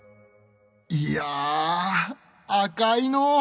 いや赤いのう。